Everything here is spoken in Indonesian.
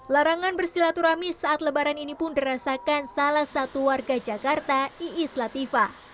larangan bersilaturahmi saat lebaran ini pun dirasakan salah satu warga jakarta iis latifah